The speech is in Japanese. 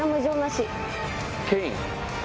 ケイン！